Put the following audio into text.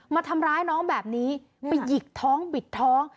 มาทำร้ายน้องแบบนี้ไปหยิกท้องบิดท้อง